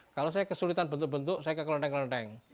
kalau saya kesulitan bentuk bentuk saya ke kelenteng kelenteng